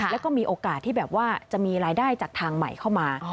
แล้วก็มีโอกาสที่แบบว่าจะมีรายได้จากทางใหม่เข้ามา